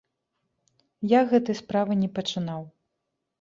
Я гэтай справы не пачынаў.